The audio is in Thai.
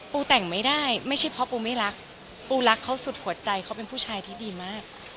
แต่งไม่ได้ไม่ใช่เพราะปูไม่รักปูรักเขาสุดหัวใจเขาเป็นผู้ชายที่ดีมาก